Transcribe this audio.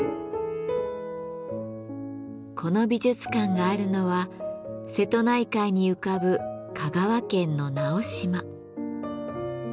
この美術館があるのは瀬戸内海に浮かぶ香川県の直島。